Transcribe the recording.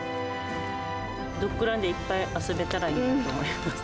ドッグランでいっぱい遊べたらいいなと思います。